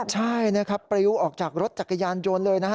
ใช่นะครับปริวออกจากรถจักรยานยนต์เลยนะฮะ